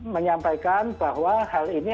menyampaikan bahwa hal ini